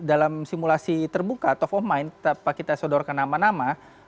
dalam simulasi terbuka top of mind tanpa kita sodorkan nama nama